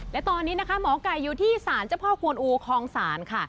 และตอนนี้นะคะหมอไก่อยู่ที่ศาลเจ้าพ่อกวนอูคลองศาลค่ะ